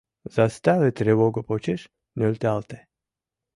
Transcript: Заставе тревого почеш нӧлталте.